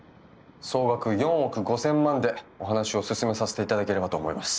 総額４億５，０００万でお話を進めさせていただければと思います。